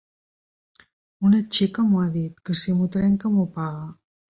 Una xica m’ho ha dit, que si m’ho trenca m’ho paga;